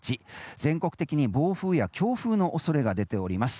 全国的に暴風や強風の恐れが出ております。